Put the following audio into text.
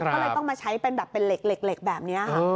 ก็เลยต้องมาใช้เป็นแบบเป็นเหล็กแบบนี้ค่ะ